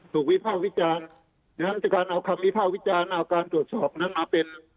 วิภาควิจารณ์ดังนั้นจากการเอาคำวิภาควิจารณ์เอาการตรวจสอบนั้นมาเป็น